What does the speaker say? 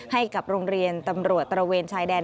ให้กับโรงเรียนตำรวจตระเวนชายแดน